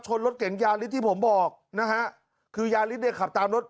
รถเก๋งยาริสที่ผมบอกนะฮะคือยาริสเนี่ยขับตามรถ